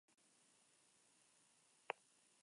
Se recibirá cada vez que vaya alguien a ver esta película.